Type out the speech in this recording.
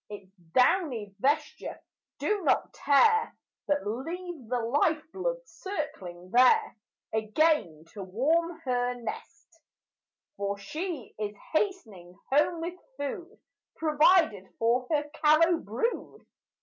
Its downy vesture do not tear; But leave the life blood circling there, Again to warm her nest; For she is hastening home with food Provided for her callow brood.